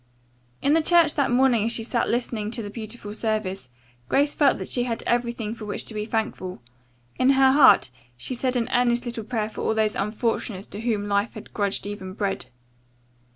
In church that morning as she sat listening to the beautiful service, Grace felt that she had everything for which to be thankful. In her heart she said an earnest little prayer for all those unfortunates to whom life had grudged even bread.